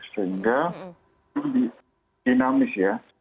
sehingga lebih dinamis ya